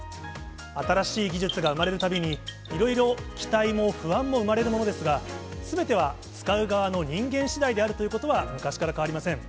新しい技術が生まれるたびにいろいろ期待も不安も生まれるものですが、すべては使う側の人間しだいであるということは、昔から変わりません。